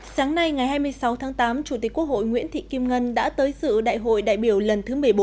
sáng nay ngày hai mươi sáu tháng tám chủ tịch quốc hội nguyễn thị kim ngân đã tới sự đại hội đại biểu lần thứ một mươi bốn